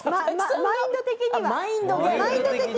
ママインド的には。